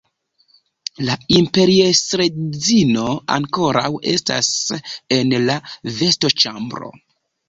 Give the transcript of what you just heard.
La imperiestredzino ankoraŭ estas en la vestoĉambro.